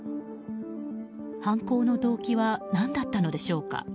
犯行の動機は何だったのでしょうか。